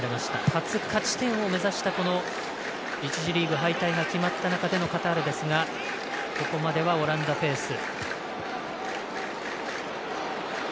初勝ち点を目指した１次リーグ敗退が決まった中でのカタールですがここまではオランダペース。